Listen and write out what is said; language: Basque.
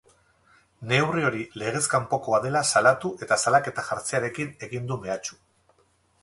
Neurri hori legez kanpokoa dela salatu eta salaketa jartzearekin egin du mehatxu.